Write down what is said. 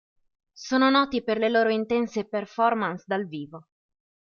Sono noti per le loro intense performance dal vivo.